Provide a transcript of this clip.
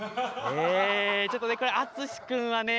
ちょっとねこれあつし君はね